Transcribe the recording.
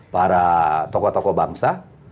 para tokoh tokoh bangsa